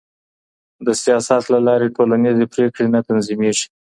د سياست له لارې ټولنيزې پرېکړې نه تنظيمېږي.